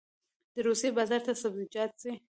د روسیې بازار ته سبزیجات ځي